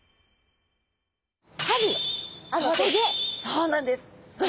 そうなんです。